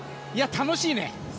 楽しいね。